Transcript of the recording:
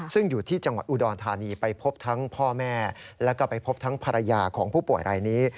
ซึ่งอยู่ที่จังหวัดอุดรธานีไปพบทั้งพ่อแม่แล้วก็ไปพบทั้งภรรยาของผู้ป่วยรายนี้